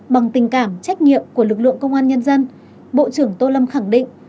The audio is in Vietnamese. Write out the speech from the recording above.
bằng tình cảm trách nhiệm của lực lượng công an nhân dân bộ trưởng tô lâm khẳng định